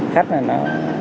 khách là nó